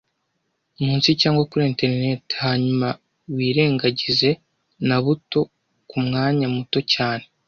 munsi cyangwa kuri interineti, hanyuma wirengagize na buto kumwanya muto cyane